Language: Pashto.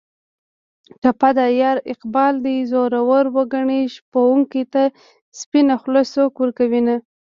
ټپه ده: یاره اقبال دې زورور و ګني شپونکي ته سپینه خوله څوک ورکوینه